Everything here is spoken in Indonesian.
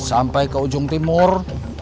sampai ke ujung timur